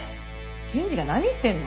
検事が何言ってんの。